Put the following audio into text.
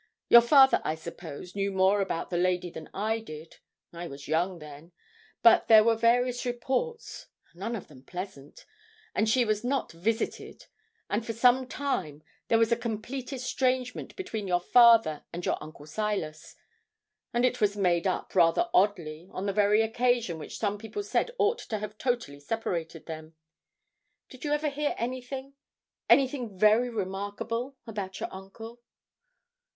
Your father, I suppose, knew more about the lady than I did I was young then but there were various reports, none of them pleasant, and she was not visited, and for some time there was a complete estrangement between your father and your uncle Silas; and it was made up, rather oddly, on the very occasion which some people said ought to have totally separated them. Did you ever hear anything anything very remarkable about your uncle?'